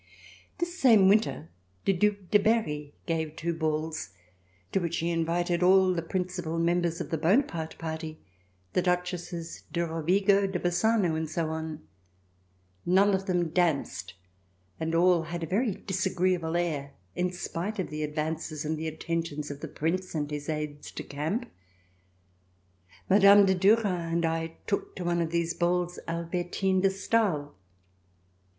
This same winter, the Due de Berry gave two balls to which he invited all the principal members of the Bonaparte Party, the Duchesses de Rovigo, de Bas sano and so on. None of them danced and all had a very disagreeable air, in spite of the advances and the attentions of the Prince and his aides de camp. Mme. de Duras and I took to one of these balls Albertine de Stael.